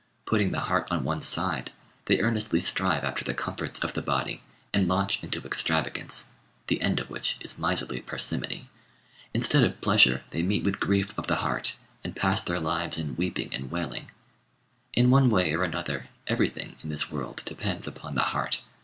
Putting the heart on one side, they earnestly strive after the comforts of the body, and launch into extravagance, the end of which is miserly parsimony. Instead of pleasure they meet with grief of the heart, and pass their lives in weeping and wailing. In one way or another, everything in this world depends upon the heart.